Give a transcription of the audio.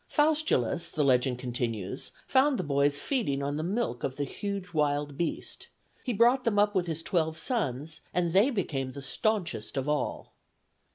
Faustulus, the legend continues, found the boys feeding on the milk of the huge wild beast; he brought them up with his twelve sons, and they became the staunchest of all.